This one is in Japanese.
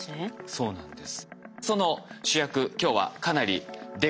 そうなんです。